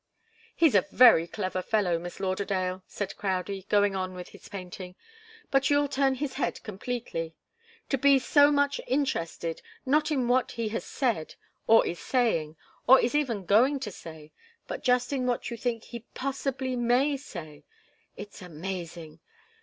"He's a very clever fellow, Miss Lauderdale," said Crowdie, going on with his painting. "But you'll turn his head completely. To be so much interested not in what he has said, or is saying, or even is going to say, but just in what you think he possibly may say it's amazing!